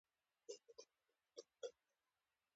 د سناتوریال کلاس په ډېر شتمن کېدو سره